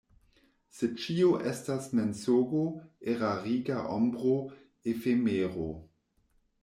Se ĉio estas mensogo, erariga ombro, efemero.